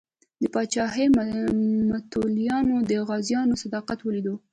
د پاچاهۍ متولیانو د غازیانو صداقت ولیدو.